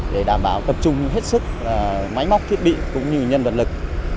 để đảm bảo tập trung hết sức máy móc thiết bị cũng như nhân vật lực